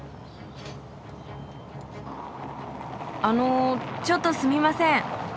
あのちょっとすみません。